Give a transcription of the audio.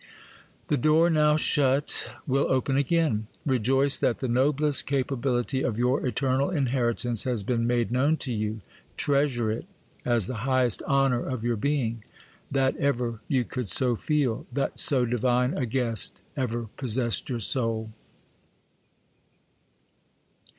The door now shut will open again. Rejoice that the noblest capability of your eternal inheritance has been made known to you; treasure it, as the highest honour of your being, that ever you could so feel,—that so divine a guest ever possessed your soul.